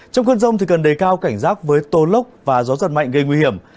trong cơn rông cần đề cao cảnh giác với tô lốc và gió giật mạnh gây nguy hiểm